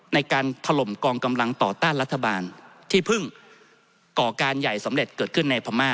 ถล่มกองกำลังต่อต้านรัฐบาลที่เพิ่งก่อการใหญ่สำเร็จเกิดขึ้นในพม่า